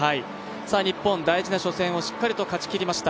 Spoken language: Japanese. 日本、大事な初戦をしっかりと勝ちきりました。